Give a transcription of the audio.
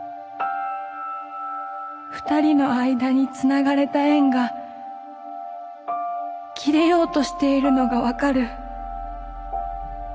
二人の間につながれた縁が切れようとしているのが分かる。